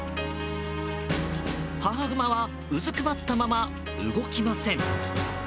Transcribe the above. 母グマはうずくまったまま動きません。